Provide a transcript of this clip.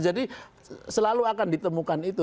jadi selalu akan ditemukan itu